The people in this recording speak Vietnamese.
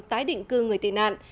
tái định cư người tị nạn